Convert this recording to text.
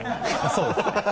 そうですね。